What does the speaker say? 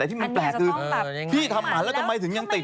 แต่ที่มันแปลกคือพี่ทำหมันแล้วทำไมถึงยังติด